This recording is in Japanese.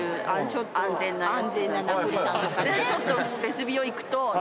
ちょっとベスビオいくと。